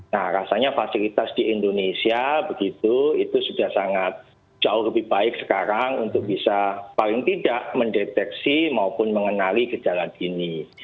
nah rasanya fasilitas di indonesia begitu itu sudah sangat jauh lebih baik sekarang untuk bisa paling tidak mendeteksi maupun mengenali gejala dini